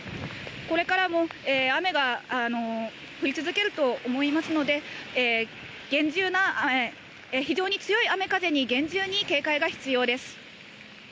これからも雨が降り続けると思いますので、非常に強い雨風に厳重に警戒が必要です。